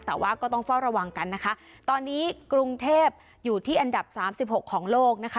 แต่ว่าก็ต้องเฝ้าระวังกันนะคะตอนนี้กรุงเทพอยู่ที่อันดับสามสิบหกของโลกนะคะ